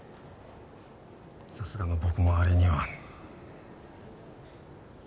さすがの僕もあれには。